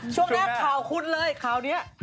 ช่วงหน้าข่าวคุ้นเลยข่าวนี้ช่วงหน้า